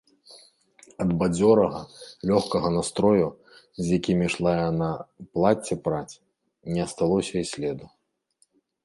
Ад бадзёрага, лёгкага настрою, з якім ішла яна плацце праць, не асталося і следу.